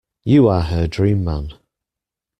You are her dream man.